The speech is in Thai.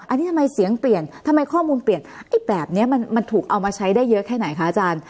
อันนี้ทำไมเสียงเปลี่ยนทำไมข้อมูลเปลี่ยนไอ้แบบนี้มันถูกเอามาใช้ได้เยอะแค่ไหนคะอาจารย์